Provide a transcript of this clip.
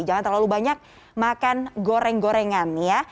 jangan terlalu banyak makan goreng gorengan ya